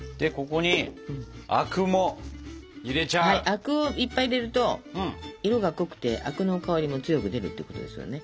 灰汁をいっぱい入れると色が濃くて灰汁の香りも強く出るってことですよね。